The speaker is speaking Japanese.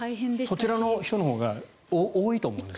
そちらの人のほうが多いと思います。